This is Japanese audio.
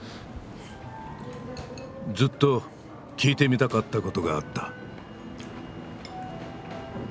ずっと聞いてみたかったことがあった。